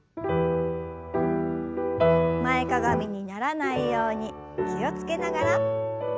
前かがみにならないように気を付けながら。